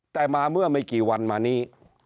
แต่มาเมื่อไม่กี่วันมานี้